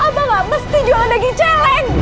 abang gak mesti jual daging celeng